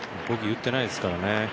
ボギー打ってないですからね。